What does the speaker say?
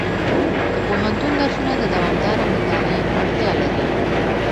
د پوهنتون درسونه د دوامداره مطالعې اړتیا لري.